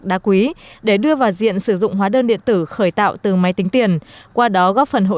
đá quý để đưa vào diện sử dụng hóa đơn điện tử khởi tạo từ máy tính tiền qua đó góp phần hỗ